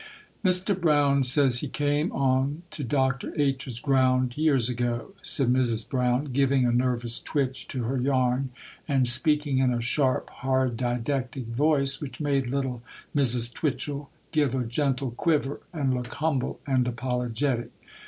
'Mr. Brown says he came on to Dr. H.'s ground years ago' said Mrs. Brown, giving a nervous twitch to her yarn, and speaking in a sharp, hard, didactic voice, which made little Mrs. Twitchel give a gentle quiver, and look humble and apologetic.